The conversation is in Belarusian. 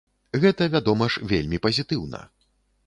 Гэта, вядома ж, вельмі пазітыўна.